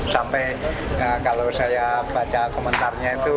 sampai kalau saya baca komentarnya itu